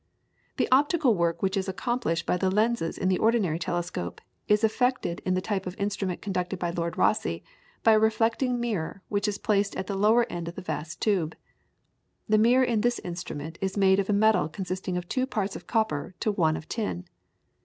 The optical work which is accomplished by the lenses in the ordinary telescope is effected in the type of instrument constructed by Lord Rosse by a reflecting mirror which is placed at the lower end of the vast tube. The mirror in this instrument is made of a metal consisting of two parts of copper to one of tin.